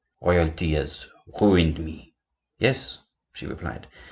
"Royalty has ruined me." "Yes," she replied.